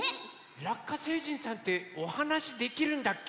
ラッカ星人さんっておはなしできるんだっけ？